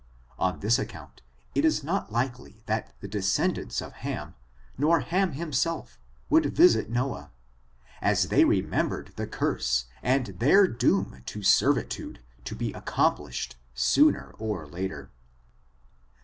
On this account, it is not likely that the descendants of Ham, nor Ham himself, would visit Noah, as they remembered the curse^ and their doom to servitude to be accomplished sooner or later.